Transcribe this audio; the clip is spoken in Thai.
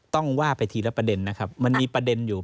ต้องว่าไปทีละประเด็นนะครับมันมีประเด็นอยู่